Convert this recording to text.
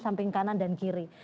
samping kanan dan kiri